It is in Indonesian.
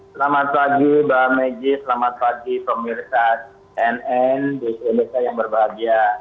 selamat pagi mbak megi selamat pagi pemirsa nn bpmn yang berbahagia